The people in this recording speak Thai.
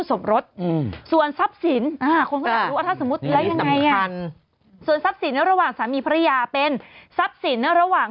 สมรสส่วนทรัพย์สินสินระหว่างสามีภรรยาเป็นสับสินระหว่าง